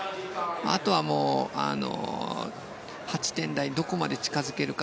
あとは８点台どこまで近づけるか。